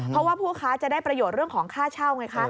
เพราะว่าผู้ค้าจะได้ประโยชน์เรื่องของค่าเช่าไงคะ